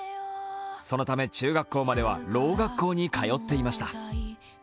そのため中学校まではろう学校に通っていました。